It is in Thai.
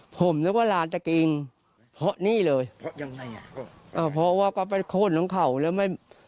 ผมนึกว่าร้านแต๊กริงเพราะนี่เลยเป็ซียักษ์ว่าก็ไปโค่นของเขาแล้วไม่